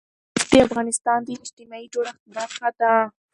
زمرد د افغانستان د اجتماعي جوړښت برخه ده.